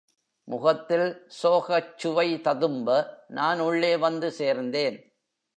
முகத்தில் சோகச்சுவை ததும்ப, நான் உள்ளே வந்து சேர்ந்தேன்.